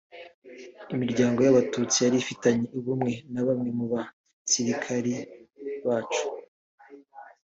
imiryango y’abatutsi yari ifitanye ubumwe na bamwe mu basirikari bacu